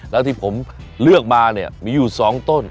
แล้วที่ผมเลือกมาเนี่ยมีอยู่๒ต้น